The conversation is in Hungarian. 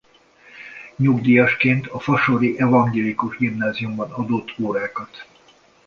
Nyugdíjasként a Fasori Evangélikus Gimnáziumban adott órákat.